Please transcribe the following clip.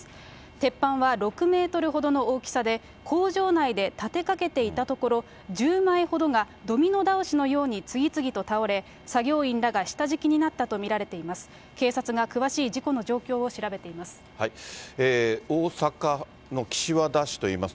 鉄板は６メートルほどの大きさで、工場内で立てかけていたところ、１０枚ほどがドミノ倒しのように次々と倒れ、作業員らが下敷きになったと見られています。